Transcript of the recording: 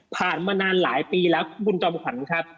ผ่านมานานหลายปีแล้วบุญจำขวัญ